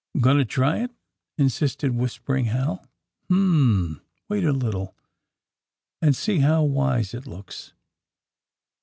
^* Going to try it!" insisted whispering Hal. ^^M m m ml "Wait a little, and see how wiso it looks."